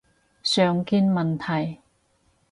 常見問題